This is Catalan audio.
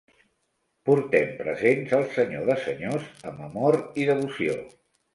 Portem presents al Senyor de senyors amb amor i devoció.